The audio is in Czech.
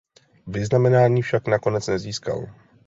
Vyznamenání však nakonec nezískal.